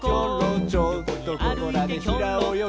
「ちょっとここらでひらおよぎ」